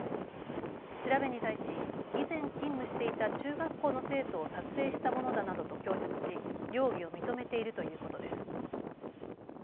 調べに対し以前勤務していた中学校の生徒を撮影したものだなどと供述し容疑を認めているということです。